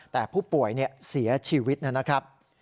แต่ผู้ป่วยเสียชีวิตนะครับ